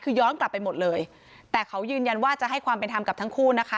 คือย้อนกลับไปหมดเลยแต่เขายืนยันว่าจะให้ความเป็นธรรมกับทั้งคู่นะคะ